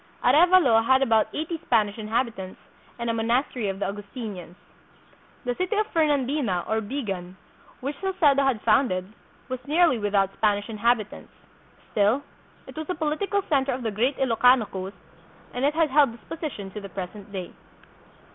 Arevalo had about eighty Spanish inhabitants, and a monastery of the Augustinians. The City of Fernandina, or Big an, which Salcedo had founded, was nearly without Spanish inhabitants. THREE HUNDRED YEARS AGO. 173 Still, it was the political center of the great Ilokano coast, and it has held this position to the present day.